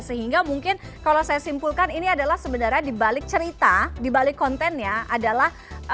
sehingga mungkin kalau saya simpulkan ini adalah sebenarnya dibalik cerita di balik kontennya adalah